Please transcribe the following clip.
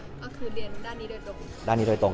คือเรียนด้านนี้โดยตรง